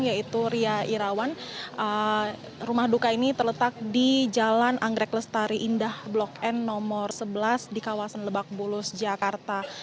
yaitu ria irawan rumah duka ini terletak di jalan anggrek lestari indah blok n nomor sebelas di kawasan lebak bulus jakarta